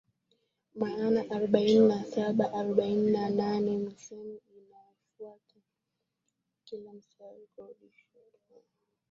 maana arobaini na saba arobaini na nane misemo ifuatayo kila mstari kwa kurudiwarudiwa na